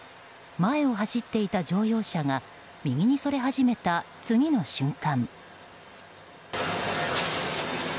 前を走っていた乗用車が右にそれ始めた、次の瞬間。